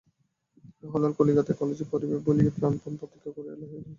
এখন হরলাল কলিকাতায় কলেজে পড়িবে বলিয়া প্রাণপণ প্রতিজ্ঞা করিয়া বাহির হইয়াছে।